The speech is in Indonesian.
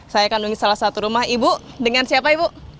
saya kandungi salah satu rumah ibu dengan siapa ibu